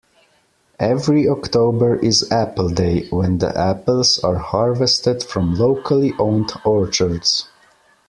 Every October is "Apple Day" when the apples are harvested from locally owned orchards.